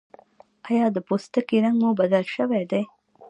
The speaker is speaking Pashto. ایا د پوستکي رنګ مو بدل شوی دی؟